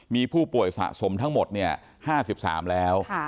มีผู้ป่วยสะสมทั้งหมด๕๓แล้ว